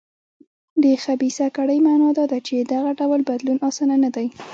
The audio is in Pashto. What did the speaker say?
د خبیثه کړۍ معنا دا ده چې دغه ډول بدلون اسانه نه دی.